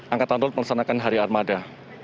angkatan rol pelesanakan hari armada